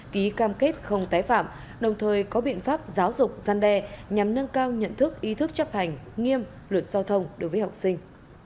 ký cam kết không tái phạm đồng thời có biện pháp giáo dục gian đe nhằm nâng cao nhận thức ý thức chấp hành nghiêm luật giao thông đối với học sinh